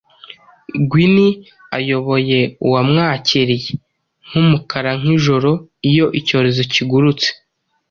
Gwini ayoboye uwamwakiriye, nkumukara nkijoro Iyo icyorezo kigurutse,